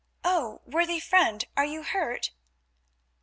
Oh! worthy friend, are you hurt?"